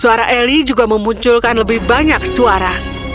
suara eli juga memunculkan lebih banyak suara